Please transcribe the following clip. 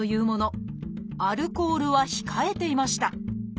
アルコールは控えていました。